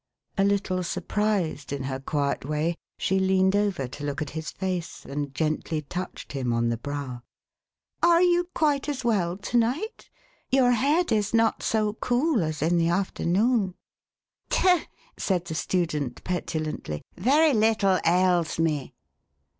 A little surprised, in her quiet way, she leaned over to look at his face, and gently touched him on the brow. "Are you quite as well to night? Your head is not so cool as in the afternoon." " Tut !" said the student, petulantly, " very little ails me."